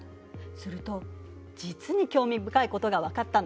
すると実に興味深いことが分かったの。